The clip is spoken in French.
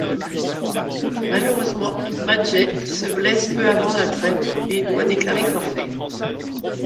Malheureusement, Maciej se blesse peu avant la trêve, et doit déclarer forfait.